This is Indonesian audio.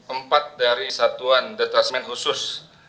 empat dari satuan detasemen khusus delapan puluh delapan